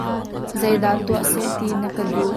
Zei dah tuah seh ti na ka duh?